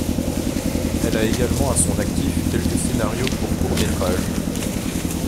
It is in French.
Elle a également à son actif quelques scénarios pour courts métrages...